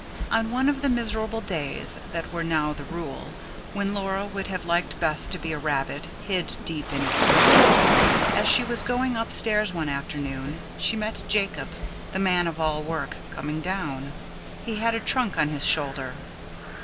On one of the miserable days that were now the rule, when Laura would have liked best to be a rabbit, hid deep in its burrow; as she was going upstairs one afternoon, she met Jacob, the man of all work, coming down. He had a trunk on his shoulder.